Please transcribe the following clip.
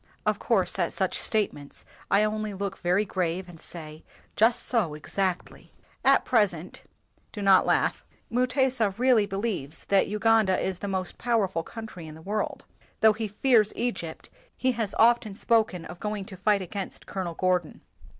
" "Of course, at such statements I only look very grave, and say, 'Just so, exactly.' At present, (do not laugh) Mutesa really be lieves that Uganda is the most powerful country in the world. Though he fears Egypt, he has often spoken of going to fight against Colonel Gordon.